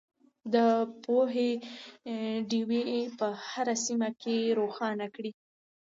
د پوهې ډیوې په هره سیمه کې روښانه کړئ.